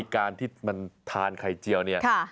การที่มันทานไข่เจียวเนี่ย